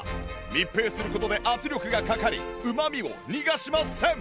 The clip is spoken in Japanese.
密閉する事で圧力がかかりうまみを逃がしません！